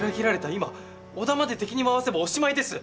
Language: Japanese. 今織田まで敵に回せばおしまいです！